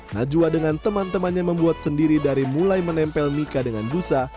najwa dengan teman temannya membuat sendiri dari mulai menempel mika dengan busa